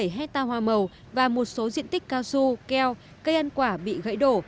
bảy hectare hoa màu và một số diện tích cao su keo cây ăn quả bị gãy đổ